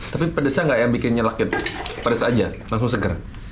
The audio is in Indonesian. tapi pedesnya nggak ya bikin nyelakit pedes saja langsung segar